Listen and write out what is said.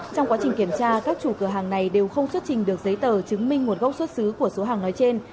trong quá trình kiểm tra các chủ cửa hàng này đều không xuất trình được giấy tờ chứng minh nguồn gốc xuất xứ của số hàng nói trên